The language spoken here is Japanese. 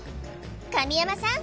神山さん